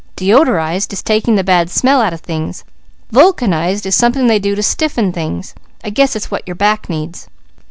'Deodorized,' is taking the bad smell out of things. 'Vulcanized,' is something they do to stiffen things. I guess it's what your back needs."